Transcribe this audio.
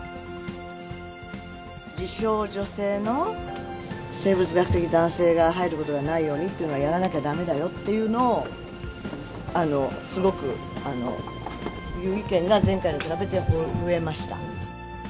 自称女性の生物学的男性が入ることがないようにっていうのはやらなきゃだめだよっていうのを、すごく、という意見が前回に比べて増えました。